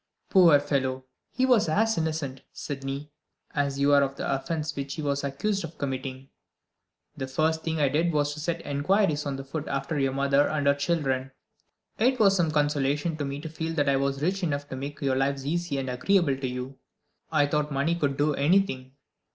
Poor fellow! He was as innocent, Sydney, as you are of the offense which he was accused of committing. The first thing I did was to set inquiries on foot after your mother and her children. It was some consolation to me to feel that I was rich enough to make your lives easy and agreeable to you. I thought money could do anything.